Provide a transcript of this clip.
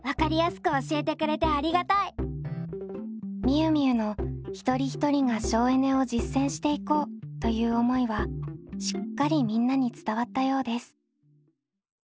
みゆみゆの一人一人が省エネを実践していこうという思いはしっかりみんなに伝わったようです。